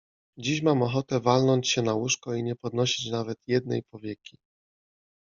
Dziś mam ochotę walnąć się na łóżko i nie podnosić nawet jednej powieki.